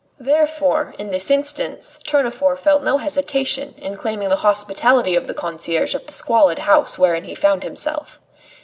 Therefore, in this instance, Tournefort felt no hesitation in claiming the hospitality of the concierge of the squalid house wherein he found himself.